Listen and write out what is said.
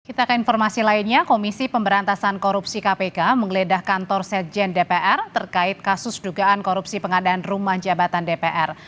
kita ke informasi lainnya komisi pemberantasan korupsi kpk menggeledah kantor sekjen dpr terkait kasus dugaan korupsi pengadaan rumah jabatan dpr